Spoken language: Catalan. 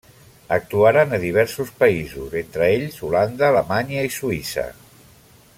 Actuaren a diversos països, entre ells, Holanda, Alemanya i Suïssa.